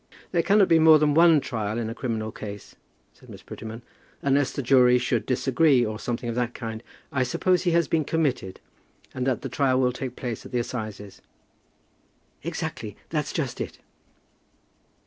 "There cannot be more than one trial in a criminal case," said Miss Prettyman, "unless the jury should disagree, or something of that kind. I suppose he has been committed, and that the trial will take place at the assizes." "Exactly, that's just it."